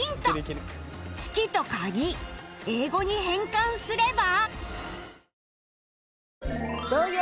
月と鍵英語に変換すれば